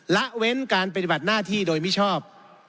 ละเว้นการปฏิบัติหน้าที่โดยมิชอบ